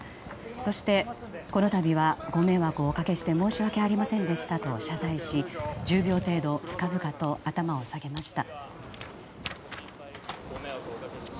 そして、このたびはご迷惑をおかけして申し訳ありませんでしたと謝罪し、１０秒程度深々と頭を下げました。